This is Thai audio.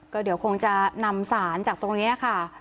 ก็เดี๋ยวคงจะนำสารจากตรงนี้ค่ะ